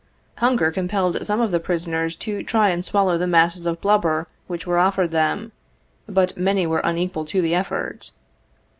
Hunger compelled some of the prisoners to try and swallow the masses of blubber which were offered them, but many were unequal to the effort.